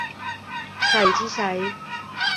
ใครที่ใช้